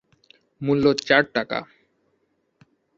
মূল্য: চার টাকা।